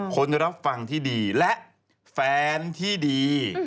คนรับฟังที่ดีและแฟนที่ดี